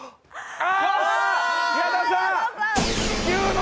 あ！